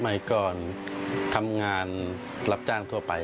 ใหม่ก่อนทำงานรับจ้างทั่วไป